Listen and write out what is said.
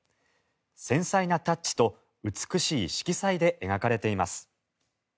繊細なタッチと美しい色彩で描かれています。